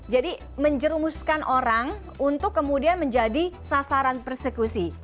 jadi menjerumuskan orang untuk kemudian menjadi sasaran persekusi